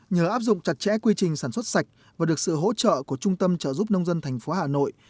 nhờ áp dụng chặt chẽ quy trình sản xuất sạch và được sự hỗ trợ của trung tâm trợ giúp nông dân thành phố hà nội